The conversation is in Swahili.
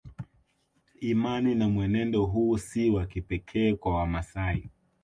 Imani na mwenendo huu si wa kipekee kwa Wamasai